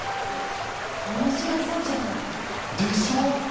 面白そうじゃない。でしょう！